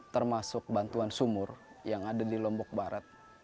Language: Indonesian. termasuk bantuan sumur yang ada di lombok barat